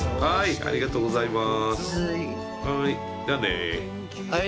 ありがとうございます。